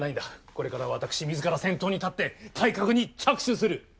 これから私みずから先頭に立って改革に着手する！